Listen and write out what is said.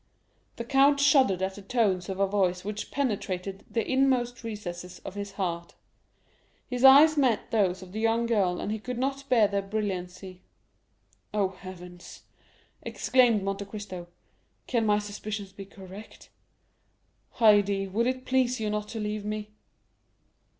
The count shuddered at the tones of a voice which penetrated the inmost recesses of his heart; his eyes met those of the young girl and he could not bear their brilliancy. "Oh, heavens," exclaimed Monte Cristo, "can my suspicions be correct? Haydée, would it please you not to leave me?"